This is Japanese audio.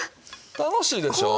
楽しいでしょう。